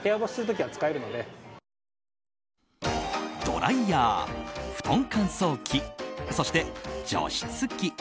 ドライヤー、布団乾燥機そして除湿機。